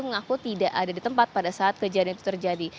mengaku tidak ada di tempat pada saat kejadian itu terjadi